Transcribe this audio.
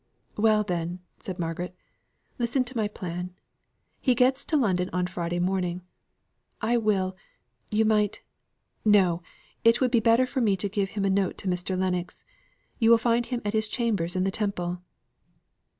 "Well then," said Margaret, "listen to my plan. He gets to London on Friday morning. I will you might no! it would be better to give him a note to Mr. Lennox. You will find him at his chambers in the Temple."